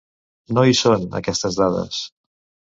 No hi són, aquestes dades.